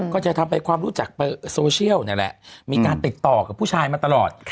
ก็จะทำให้ความรู้จักโซเชียลนี่แหละมีการติดต่อกับผู้ชายมาตลอด